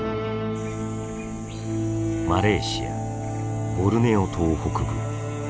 マレーシア・ボルネオ島北部。